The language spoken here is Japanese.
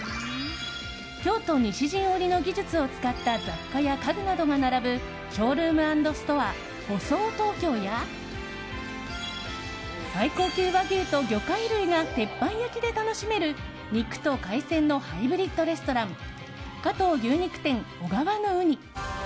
京都・西陣織の技術を使った雑貨や家具などが並ぶショールーム＆ストアＨＯＳＯＯＴＯＫＹＯや最高級和牛と魚介類が鉄板焼きで楽しめる肉と海鮮のハイブリッドレストラン加藤牛肉店小川のうに。